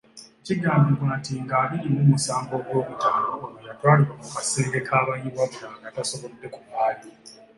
Kigambibwa nti nga abiri mu musanvu Ogw'okutano, ono yatwalibwa mu kasenge k'abayi wabula nga tasobodde kuvaayo.